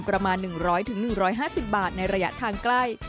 ประมาณ๑๐๐๑๕๐บาทในระยะทางใกล้